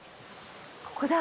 ここだ。